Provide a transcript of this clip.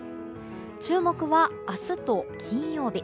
注目は明日と金曜日。